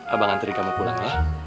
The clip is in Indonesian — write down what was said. abang anterin kamu pulang lah